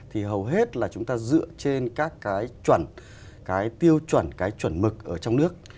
hầu hết là chúng ta dựa trên các tiêu chuẩn chuẩn mực ở trong nước